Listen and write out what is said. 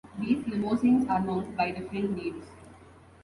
These Limousins are known by different names.